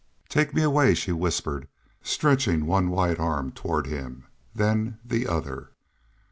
"Take me away," she whispered, stretching one white arm toward him, then the other.